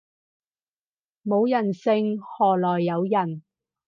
冇人性何來有人